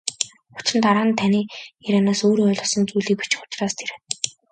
Учир нь дараа нь таны ярианаас өөрийн ойлгосон зүйлийг бичих учраас тэр.